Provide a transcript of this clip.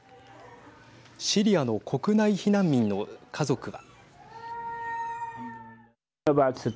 シリアの国内避難民の家族は。